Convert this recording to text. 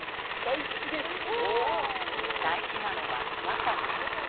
大事なのは和歌です。